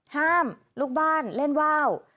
ห้ามลูกบ้านเล่นว่าว